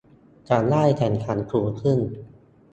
จะได้แข่งขันสูงขึ้น